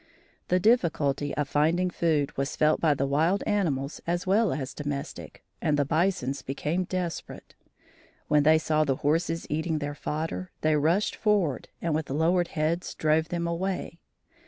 The difficulty of finding food was felt by the wild animals as well as domestic, and the bisons became desperate. When they saw the horses eating their fodder, they rushed forward and with lowered heads drove them away.